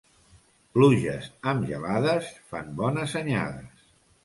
Pluges amb gelades fan bones anyades.